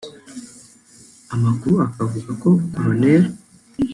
Amakuru akavuga ko Col